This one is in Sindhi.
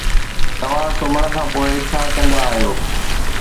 توهان سمهڻ کان پوء ڇا ڪندا آهيو؟